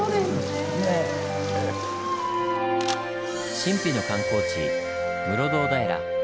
神秘の観光地室堂平。